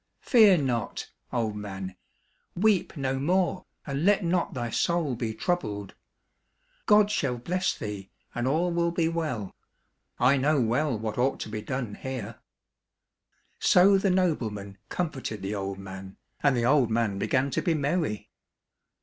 Fear not, old man, weep no more, and let not thy soul be troubled ! God shall bless thee, and all will be well. I know well what ought to be done here." So the nobleman com forted the old man, and the old man began to be merry.